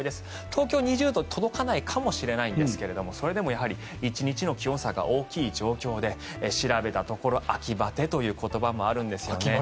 東京は２０度に届かないかもしれないんですがそれでも１日の気温差が大きい状況で調べたところ秋バテという言葉もあるんですね。